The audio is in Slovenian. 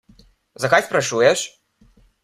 Zakaj sprašuješ?